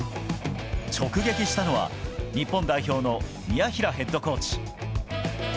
直撃したのは、日本代表の宮平ヘッドコーチ。